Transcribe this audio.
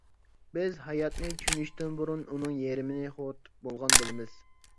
بىز ھاياتنى چۈشىنىشتىن بۇرۇن، ئۇنىڭ يېرىمىنى خورىتىپ بولغان بولىمىز.